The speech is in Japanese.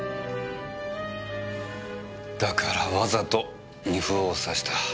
だからわざと二歩を指した。